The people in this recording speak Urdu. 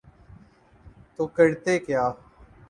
تو کرتے کیا۔